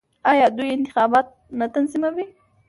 آیا دوی انتخابات نه تنظیموي؟